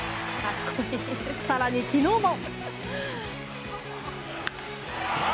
更に、昨日も！